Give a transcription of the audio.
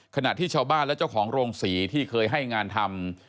ขณะที่ชาวบ้านและเจ้าของโรงศรีที่เคยให้งานทำ